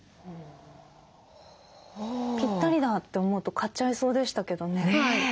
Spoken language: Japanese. ぴったりだって思うと買っちゃいそうでしたけどね。